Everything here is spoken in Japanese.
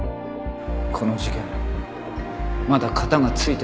この事件まだ片が付いてませんから。